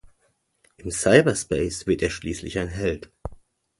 Im Cyberspace wird er schließlich ein Held.